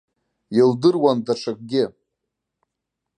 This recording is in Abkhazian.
Илдыруан даҽакгьы.